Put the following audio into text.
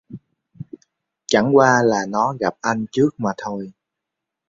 Chẳng qua là nó gặp anh trước mà thôi